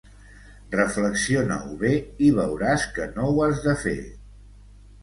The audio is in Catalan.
Reflexiona-ho bé i veuràs que no ho has de fer.